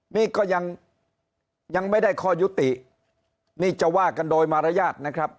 นี่ก็ยังยังไม่ได้ข้อยุตินี่จะว่ากันโดยมารยาทนะครับ